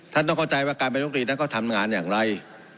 ต้องเข้าใจว่าการเป็นลมตรีนั้นเขาทำงานอย่างไร